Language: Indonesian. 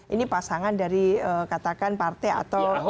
ini pasangan dari katakan partai atau koalisi partai